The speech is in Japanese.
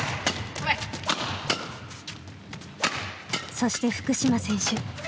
そして福島選手。